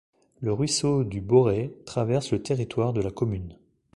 Le ruisseau du Borey traverse le territoire de la commune.